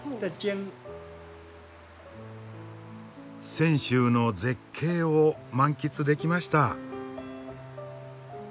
泉州の絶景を満喫できました。